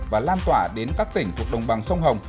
và lan tỏa đến các tỉnh thuộc đồng bằng sông hồng